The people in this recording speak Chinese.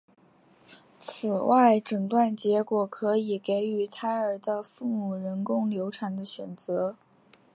此外诊断结果可以给予胎儿的父母人工流产的选择。